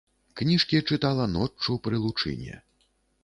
Кніжкі чытала ноччу пры лучыне.